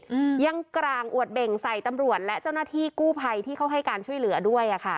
อืมยังกลางอวดเบ่งใส่ตำรวจและเจ้าหน้าที่กู้ภัยที่เขาให้การช่วยเหลือด้วยอ่ะค่ะ